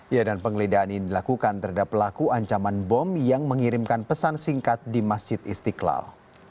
ya dan penggeledahan ini dilakukan terhadap pelaku ancaman bom yang mengirimkan pesan singkat di masjid istiqlal